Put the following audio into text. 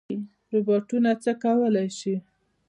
روبوټونه څه کولی شي؟